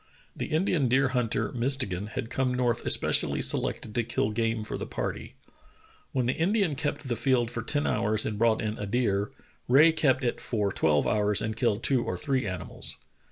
The Indian deer hunter, Mistegan, had come north especially selected to kill game for the party. When the Indian kept the field for ten hours and brought in a deer, Rae kept it for twelve hours and killed two or three animals.